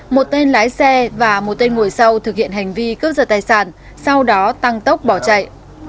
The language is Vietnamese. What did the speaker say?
một tên lái xe và một tên ngồi sau thực hiện hành vi cướp giật tài sản sau đó tăng tốc bỏ chạy